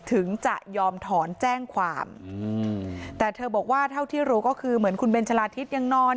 ถึงจะยอมถอนแจ้งความแต่เธอบอกว่าเท่าที่รู้ก็คือเหมือนคุณเบนชะลาทิศยังนอน